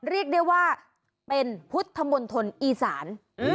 เรียกได้ว่าเป็นพุทธมณฑลอีสาน